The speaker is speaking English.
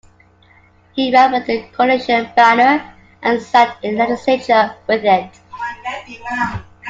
He ran with the Coalition banner and sat in the legislature with it.